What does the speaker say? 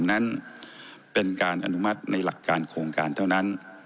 นั้นเป็นการอนุมัติในหลักการโครงการเท่านั้น